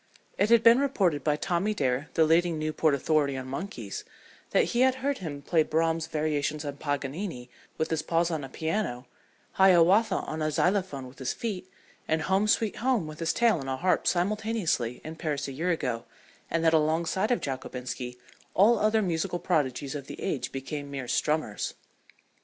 It had been reported by Tommy Dare, the leading Newport authority on monkeys, that he had heard him play Brahm's "Variations on Paganini" with his paws on a piano, "Hiawatha" on a xylophone with his feet, and "Home, Sweet Home" with his tail on a harp simultaneously, in Paris a year ago, and that alongside of Jockobinski all other musical prodigies of the age became mere strummers.